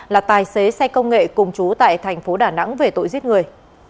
là tài xế xe công nghệ cùng chú tại tp đà nẵng về tội giết người